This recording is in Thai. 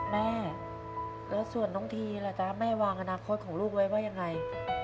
แม่แล้วส่วนน้องทีล่ะจ๊ะแม่วางอนาคตของลูกไว้ว่ายังไง